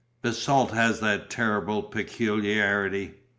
Basalt has that terrible peculiarity.